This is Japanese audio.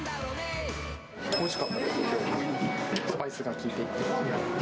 おいしかったです、スパイスが効いていて。